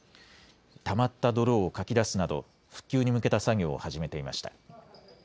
たまった泥をかき出すなど復旧に向けた作業を始めていました。